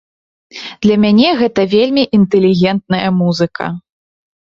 Для мяне гэта вельмі інтэлігентная музыка.